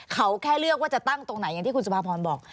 เขาแค่เลือกว่าจะตั้งตรงไหนอย่างที่คุณสุภาพรบอก